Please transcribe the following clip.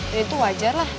jadi itu wajar lah